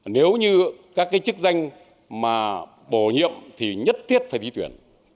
nếu như các chức danh bổ nhiệm thì nhất thiết phải đi tuyển